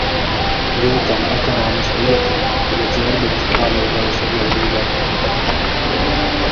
Jūtama ekonomiska ietekme bija Dzērbenes krājaizdevu sabiedrībai.